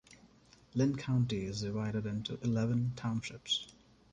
Linn County is divided into eleven townships.